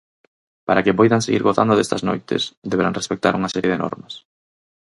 Para que poidan seguir gozando destas noites, deberán respectar unha serie de normas.